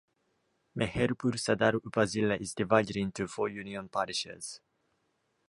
Meherpur Sadar Upazila is divided into four union parishads.